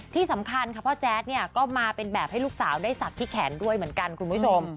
ที่สำคัญค่ะพ่อแจ๊ดเนี่ยก็มาเป็นแบบให้ลูกสาวได้ศักดิ์ที่แขนด้วยเหมือนกันคุณผู้ชม